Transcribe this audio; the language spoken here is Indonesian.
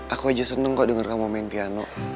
aku aja seneng kok denger kamu main piano